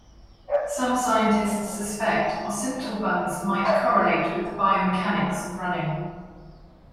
Some scientists suspect occipital buns might correlate with the biomechanics of running.